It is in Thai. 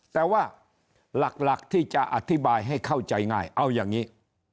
แต่ว่าหลักที่จะอธิบายให้เข้าใจง่ายเอาอย่างนี้